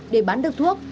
để bán được thuốc